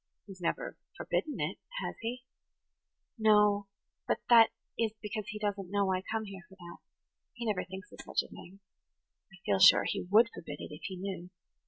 "He has never forbidden it, has he?" "No, but that is because he doesn't know I come here for that. He never thinks of such a thing. I feel sure he would forbid it, if he knew.